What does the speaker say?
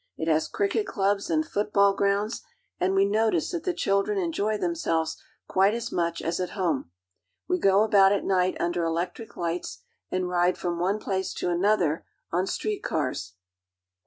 It has cricket clubs and football 28o AFRICA grounds, and we notice that the children enjoy themselves quite as much as at home. We go about at night under electric lights, and ride from one place to another on street cars.